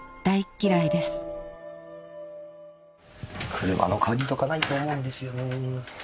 車の鍵とかないと思うんですよね。